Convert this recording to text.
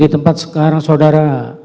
di tempat sekarang saudara